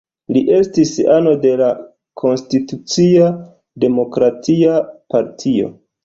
Li estis ano de la Konstitucia Demokratia Partio.